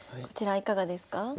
こちらいかがですか？